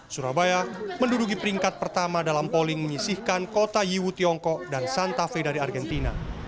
surabaya menduduki peringkat pertama dalam polling menyisihkan kota yiwu tiongkok dan santafe dari argentina